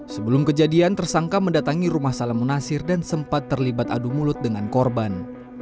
sebelum kejadian tersangka mendatangi rumah salam munasir dan sempat terlibat adu mulut dengan korban